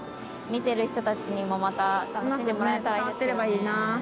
見てる人たちにもまた楽しんでもらえたらいいな。